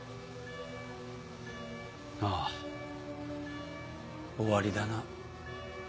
ああ終わりだな。